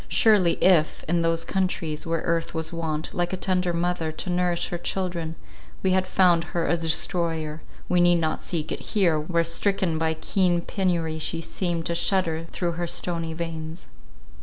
Surely, if, in those countries where earth was wont, like a tender mother, to nourish her children, we had found her a destroyer, we need not seek it here, where stricken by keen penury she seems to shudder through her stony veins.